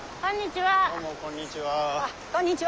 こんにちは。